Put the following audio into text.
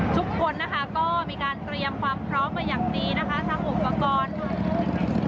ทุกคนนะคะก็มีการเตรียมความพร้อมมาอย่างดีนะคะทั้งอุปกรณ์